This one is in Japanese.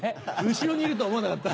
後ろにいるとは思わなかった。